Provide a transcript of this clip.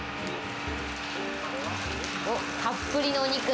たっぷりのお肉。